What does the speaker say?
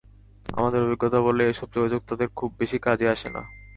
আমাদের অভিজ্ঞতা বলে, এসব যোগাযোগ তাঁদের খুব বেশি কাজে আসে না।